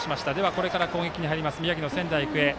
これから攻撃に入ります宮城の仙台育英。